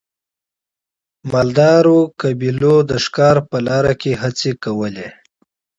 مالدارو قبیلو د ښکار په لاره کې هڅې کولې.